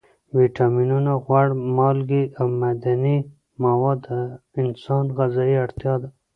ویټامینونه، غوړ، مالګې او معدني مواد د انسان غذایي اړتیا ده.